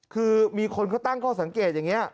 คือมีคนเขาตั้งข้อสังเกตอย่างนี้